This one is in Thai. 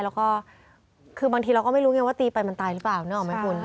แล้วก็คือบางทีเราก็ไม่รู้ไงว่าตีไปมันตายหรือเปล่านึกออกไหมคุณ